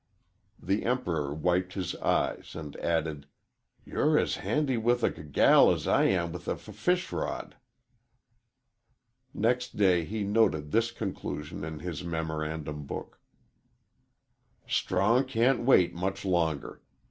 The Emperor wiped his eyes and added: "You're as handy with a g gal as I am with a f fish rod." Next day he noted this conclusion in his memorandum book: _"Strong cant wait much longer.